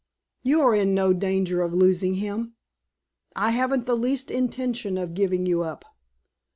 "You are in no danger of losing him. I haven't the least intention of giving you up.